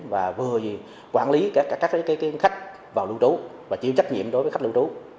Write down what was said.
và vừa quản lý các khách vào lưu trú và chịu trách nhiệm đối với khách lưu trú